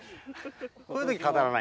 こういう時語らない。